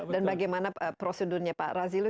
dan bagaimana prosedurnya pak raziello